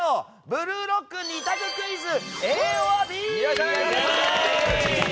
「ブルーロック」２択クイズＡｏｒＢ。